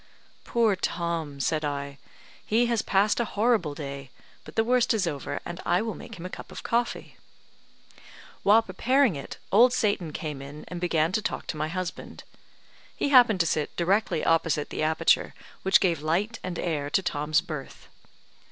"Poor Tom," said I, "he has passed a horrible day, but the worst is over, and I will make him a cup of coffee." While preparing it, Old Satan came in and began to talk to my husband. He happened to sit directly opposite the aperture which gave light and air to Tom's berth.